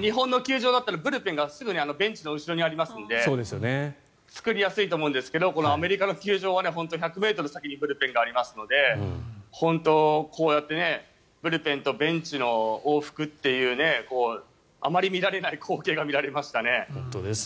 日本の球場だったらブルペンがすぐベンチの後ろにありますので作りやすいと思うんですがアメリカの球場は１００ｍ先にブルペンがありますので本当にこうやってブルペンとベンチの往復というあまり見られない光景が見られましたね。